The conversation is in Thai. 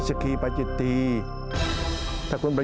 ด้วยความเคารพนะครับพวกเราฆราวะเนี่ยเสียคนมานานแล้ว